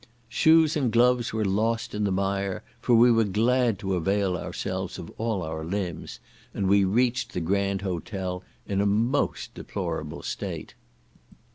Shoes and gloves were lost in the mire, for we were glad to avail ourselves of all our limbs, and we reached the grand hotel in a most deplorable state.